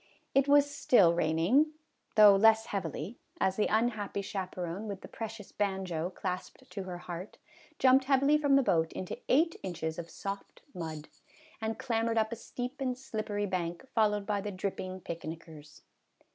It was still raining, 152 MRS. HUDSON'S PICNIC. though less heavily, as the unhappy chaperon, with the precious banjo clasped to her heart, jumped heavily from the boat into eight inches of soft mud, and clambered up a steep and slippery bank, fol lowed by the dripping picnickers.